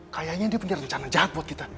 kayaknya dia punya rencana jahat buat kita